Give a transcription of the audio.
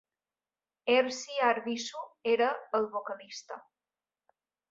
Ersi Arvisu era el vocalista.